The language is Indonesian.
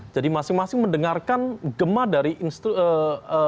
jadi masing masing mendengarkan gema dari instru eee